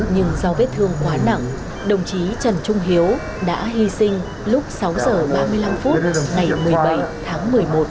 nhưng do vết thương quá nặng đồng chí trần trung hiếu đã hy sinh lúc sáu h ba mươi năm phút ngày một mươi bảy tháng một mươi một